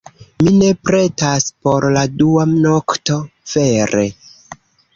Mi ne pretas por la dua nokto, vere.